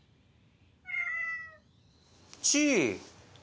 チー。